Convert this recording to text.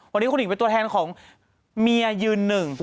วันนี้คุณหญิงเป็นตัวแทนของเมียยืนหนึ่ง